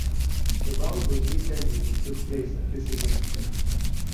The bout was rescheduled and took place at this event.